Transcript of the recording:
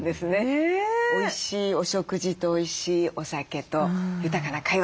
おいしいお食事とおいしいお酒と豊かな会話。